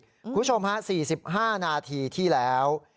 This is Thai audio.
คุณผู้ชมฮะสี่สิบห้านาทีที่แล้ว